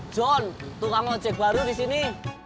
john tukang ojek baru di sini